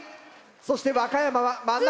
そして和歌山は真ん中。